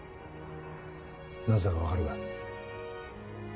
なぜだか分かるか？